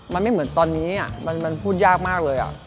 มันไม่เหมือนตอนนี้มันพูดยากมากเลย